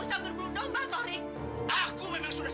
sekarang kita men jabuk starts